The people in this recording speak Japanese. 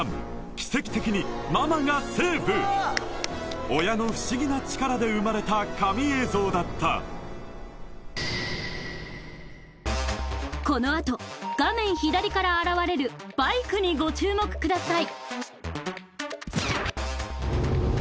奇跡的にママがセーブ親の不思議な力で生まれた神映像だったこのあと画面左から現れるバイクにご注目ください